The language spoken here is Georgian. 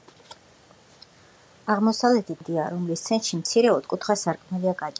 აღმოსავლეთით ნალისებრი, ღრმა აფსიდია, რომლის ცენტრში მცირე, ოთხკუთხა სარკმელია გაჭრილი.